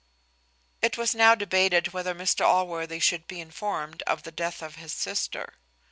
It was now debated whether Mr Allworthy should be informed of the death of his sister.